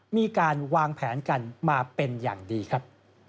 มีการวางแผนกันมาเป็นอย่างดีครับ